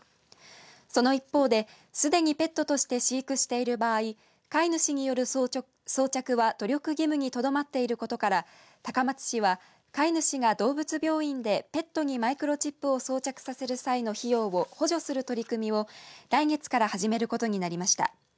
その一方ですでにペットとして飼育している場合飼い主による装着は努力義務にとどまっていることから高松市は飼い主が動物病院でペットにマイクロチップを装着させる際の費用を補助する取り組みを来月から始めることになりました。